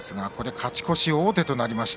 勝ち越し王手となりました。